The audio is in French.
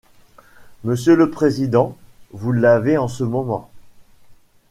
Monsieur le président: Vous l'avez en ce moment.